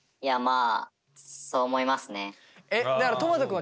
あ。